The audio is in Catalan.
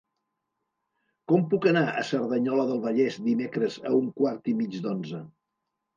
Com puc anar a Cerdanyola del Vallès dimecres a un quart i mig d'onze?